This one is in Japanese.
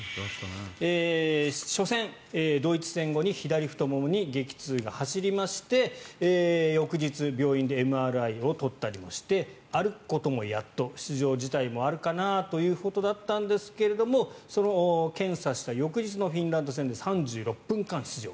初戦、ドイツ戦後に左太ももに激痛が走りまして翌日、病院でＭＲＩを撮ったりして歩くこともやっと出場辞退もあるかなということだったんですけれどもその検査した翌日のフィンランド戦で３６分間出場。